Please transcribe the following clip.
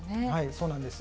そうなんです。